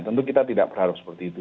tentu kita tidak berharap seperti itu